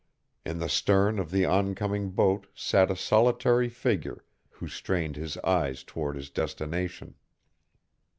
In the stern of the oncoming boat sat a solitary figure, who strained his eyes toward his destination.